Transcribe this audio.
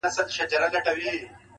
او ځينې پوښتني بې ځوابه وي تل,